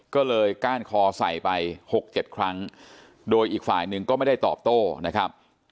ก็เลยก้านคอใส่ไป๖๗ครั้งโดยอีกฝ่ายหนึ่งก็ไม่ได้ตอบโต้นะครับ